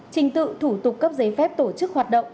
trình tự thủ tục cấp giấy phép tổ chức hoạt động